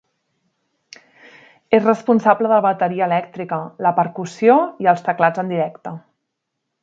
És responsable de la bateria elèctrica, la percussió i els teclats en directe.